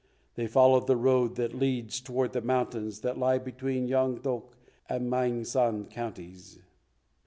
They followed the road that leads toward the mountains that lie between Yang tok and Maing san counties.